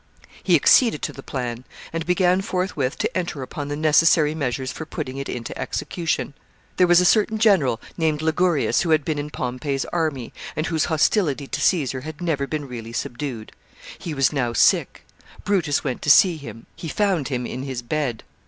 He acceded to the plan, and began forthwith to enter upon the necessary measures for putting it into execution. [Sidenote: Ligurius.] There was a certain general, named Ligurius, who had been in Pompey's army, and whose hostility to Caesar had never been really subdued. He was now sick. Brutus went to see him. He found him in his bed.